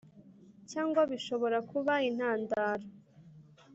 Cyangwa bishobora kuba intandaro